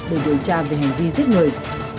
đều điều tra về hành vi giết người